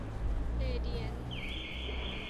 เรเดียนซ์